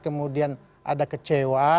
kemudian ada kecewa